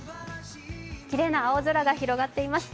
きれいな青空が広がっています。